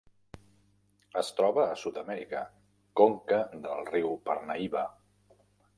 Es troba a Sud-amèrica: conca del riu Parnaíba.